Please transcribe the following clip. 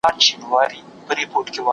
زده کړه د جهالت پر وړاندې مبارزه ده.